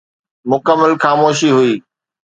مڪمل خاموشي هئي.